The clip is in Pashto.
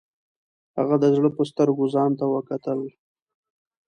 هغه د زړه په سترګو ځان ته وکتل.